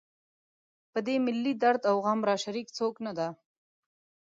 په دا ملي درد و غم راشریک څوک نه ده.